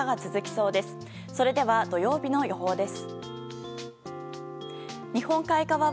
それでは土曜日の予報です。